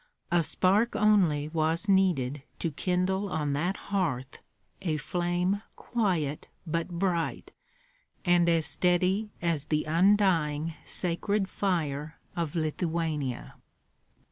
A spark only was needed to kindle on that hearth a flame quiet but bright, and as steady as the undying sacred fire of Lithuania.